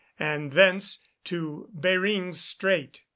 and thence to Behring's Strait.